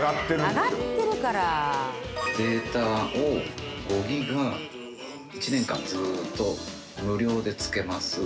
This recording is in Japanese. データを５ギガ１年間ずっと無料で付けます。